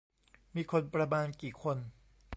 มีคนประมาณกี่คน